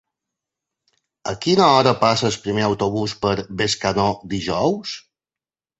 A quina hora passa el primer autobús per Bescanó dijous?